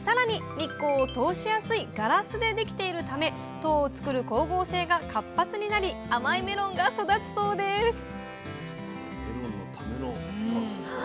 日光を通しやすいガラスでできているため糖をつくる光合成が活発になり甘いメロンが育つそうですさあ